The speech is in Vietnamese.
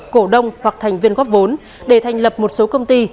cổ đông hoặc thành viên góp vốn để thành lập một số công ty